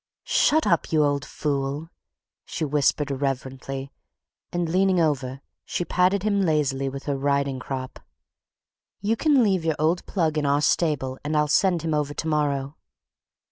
"Shut up, you old fool," she whispered irrelevantly, and, leaning over, she patted him lazily with her riding crop. "You can leave your old plug in our stable and I'll send him over to morrow."